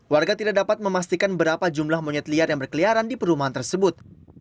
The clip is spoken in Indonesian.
warga tidak dapat memastikan berapa jumlah monyet liar yang berkeliaran di perumahan tersebut